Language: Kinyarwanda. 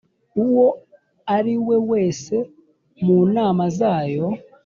uwo ariwe wese mu nama zayo